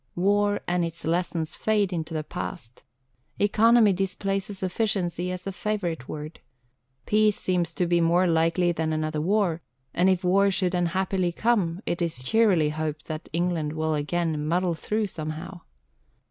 War and its lessons fade into the past. Economy displaces efficiency as the favourite word. Peace seems to be more likely than another war, and, if war should unhappily come, it is cheerily hoped that England will again "muddle through somehow."